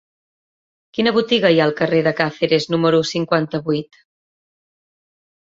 Quina botiga hi ha al carrer de Càceres número cinquanta-vuit?